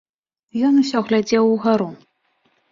Ён усё глядзеў угару.